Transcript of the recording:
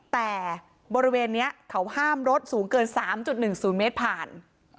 แต่บริเวณนี้เขาห้ามรถสูงเกิน๓๑๐เมตรผ่าน